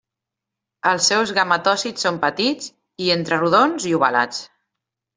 Els seus gametòcits són petits, i entre rodons i ovalats.